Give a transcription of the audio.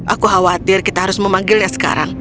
aku khawatir kita harus memanggilnya sekarang